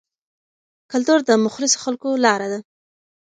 کلتور د مخلصو خلکو لاره ده.